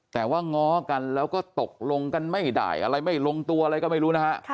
แต่ว่าง้อกันแล้วก็ตกลงกันไม่ได้อะไรไม่ลงตัวอะไรก็ไม่รู้นะฮะ